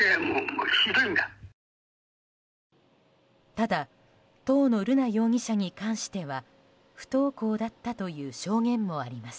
ただ、当の瑠奈容疑者に関しては不登校だったという証言もあります。